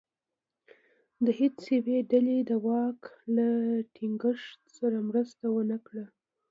د هېڅ یوې ډلې دواک له ټینګښت سره مرسته ونه کړه.